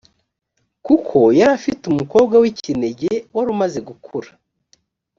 kuko yari afite umukobwa w’ikinege wari umaze gukura